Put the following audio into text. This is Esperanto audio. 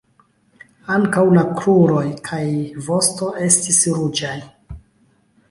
Ankaŭ la kruroj kaj vosto estis ruĝaj.